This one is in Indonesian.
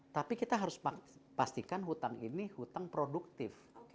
tapi kita harus pastikan hutang ini hutang produktif